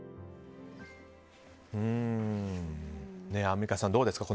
アンミカさん、どうですか。